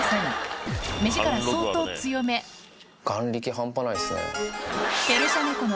半端ないっすね。